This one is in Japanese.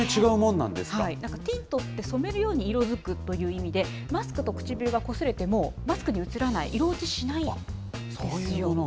なんかティントって、染めるように色づくという意味で、マスクと唇がこすれても、マスクに移らない、色落ちしないんですよ。